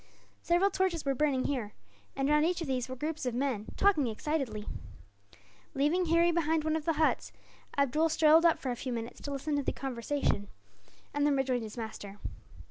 Several torches were burning here, and round each of these were groups of men, talking excitedly. Leaving Harry behind one of the huts, Abdool strolled up for a few minutes, to listen to the conversation, and then rejoined his master.